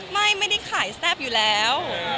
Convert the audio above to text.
ไม่ได้ขายแซ่บอยู่แล้ว